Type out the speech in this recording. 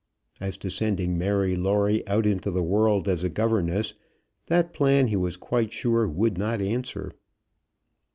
As to sending Mary Lawrie out into the world as a governess; that plan he was quite sure would not answer.